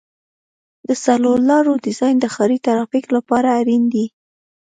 د څلور لارو ډیزاین د ښاري ترافیک لپاره اړین دی